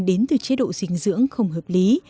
đến từ chế độ dinh dưỡng không hợp lý